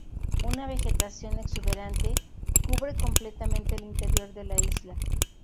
Una vegetación exuberante cubre completamente el interior de la isla.